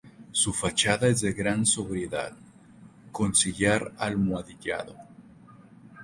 Su fachada es de gran sobriedad con sillar almohadillado.